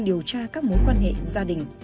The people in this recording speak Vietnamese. điều tra các mối quan hệ gia đình